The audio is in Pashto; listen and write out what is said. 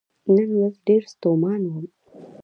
نن ورځ زه ډیر ستومان وم .